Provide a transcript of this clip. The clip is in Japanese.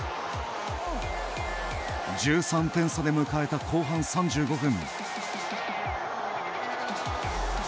１３点差で迎えた後半３５分。